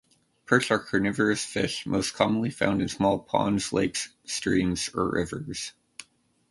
Perch are carnivorous fish most commonly found in small ponds, lakes, streams, or rivers.